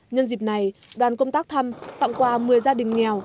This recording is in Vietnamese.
nhân dịp này đoàn công tác thăm tặng quà một mươi gia đình nghèo